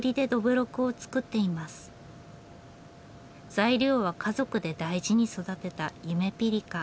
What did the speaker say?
材料は家族で大事に育てたゆめぴりか。